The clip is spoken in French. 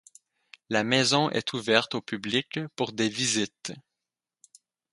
La maison est ouverte au public pour des visites.